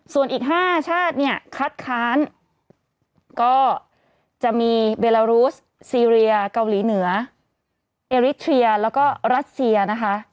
ส่วนอีก๕ชาติเนี่ยคัดค้านก็จะมีเบลารูสซีเรียเกาหลีเหนือเอริเทียแล้วก็รัสเซียนะคะ